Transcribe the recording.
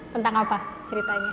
tentang apa ceritanya